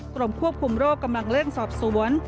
กรมควบคุมโรคกำลังเร่งสอบสวน